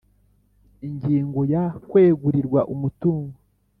Ingingo ya Kwegurirwa umutungo